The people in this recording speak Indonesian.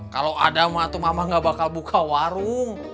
kalau ada mak atau mamah enggak bakal buka warung